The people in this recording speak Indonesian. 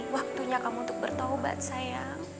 waktunya kamu untuk bertaubat saya